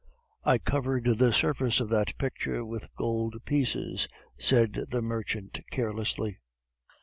"I covered the surface of that picture with gold pieces," said the merchant carelessly.